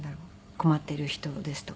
困っている人ですとか。